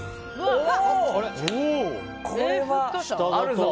これは、あるぞ。